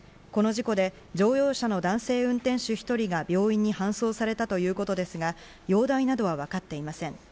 この事故で乗用車の男性運転手１人が病院に搬送されたということですが、容体などは分かっていません。